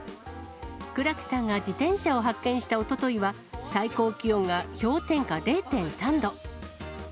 久良木さんが自転車を発見したおとといは、最高気温が氷点下０．３度。